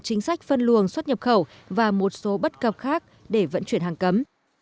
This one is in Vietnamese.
chính sách phân luồng xuất nhập khẩu và một số bất cập khác để vận chuyển hàng cấm